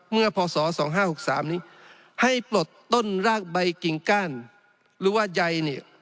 เมื่อพศ๒๕๖๓นี้ให้ปลดต้นรากใบกิ่งก้านหรือว่ายัย